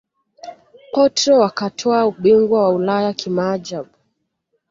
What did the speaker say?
Portro wakatwaa ubingwa wa Ulaya kimaajabu